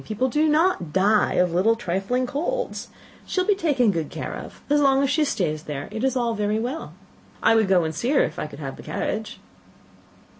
People do not die of little trifling colds. She will be taken good care of. As long as she stays there, it is all very well. I would go and see her if I could have the carriage."